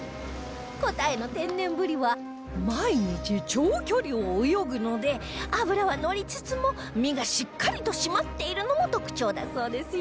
答えの天然ぶりは毎日長距離を泳ぐので脂はのりつつも身がしっかりと締まっているのも特徴だそうですよ